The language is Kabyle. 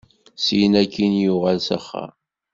Syin akkin, yuɣal s axxam.